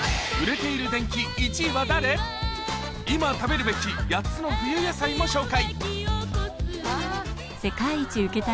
今食べるべき８つの冬野菜も紹介